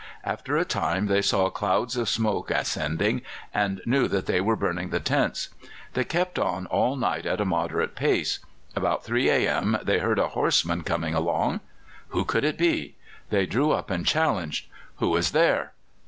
After a time they saw clouds of smoke ascending, and knew that they were burning the tents. They kept on all night at a moderate pace. About 3 a.m. they heard a horseman coming along. Who could it be? They drew up and challenged. "Who is there?"